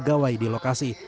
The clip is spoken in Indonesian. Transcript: gawai di lokasi